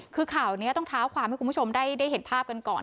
คือข่าวนี้ต้องเท้าความให้คุณผู้ชมได้เห็นภาพกันก่อน